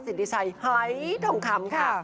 สินทริชัยไฮดองคำค่ะ